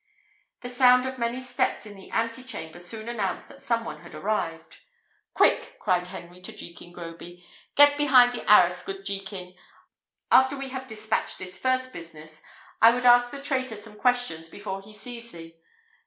The sound of many steps in the ante chamber soon announced that some one had arrived. "Quick!" cried Henry to Jekin Groby; "get behind the arras, good Jekin. After we have despatched this first business, I would ask the traitor some questions before he sees thee.